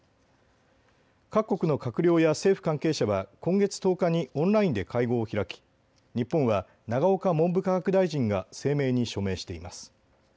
各国の閣僚や政府関係者は今月１０日にオンラインで会合を開き日本は永岡文部科学大臣が声明に署名しています。